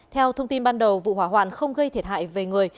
theo thông tin ban đầu vụ hỏa hoạn không gây thiệt hại về người